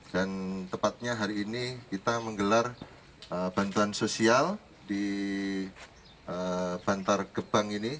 dan tepatnya hari ini kita menggelar bantuan sosial di bantar gebang ini